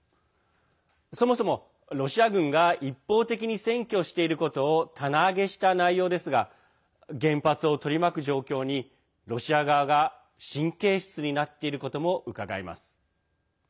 そもそもロシア軍が一方的に占拠していることを棚上げした内容ですが原発を取り巻く状況にロシア側が神経質になっていることもうかがえます。